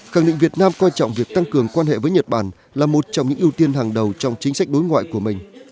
khẳng định việt nam coi trọng việc tăng cường quan hệ với nhật bản là một trong những ưu tiên hàng đầu trong chính sách đối ngoại của mình